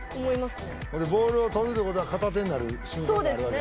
ほんでボールを取るってことは片手になる瞬間があるわけやからね